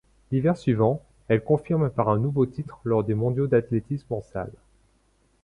L'hiver suivant, elle confirme par un nouveau titre lors des mondiaux d'athlétisme en salle.